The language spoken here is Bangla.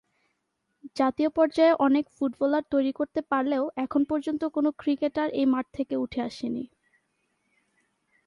জাতীয় পর্যায়ে অনেক ফুটবলার তৈরি করতে পারলেও এখন পর্যন্ত কোন ক্রিকেটার এই মাঠ থেকে উঠে আসে নি।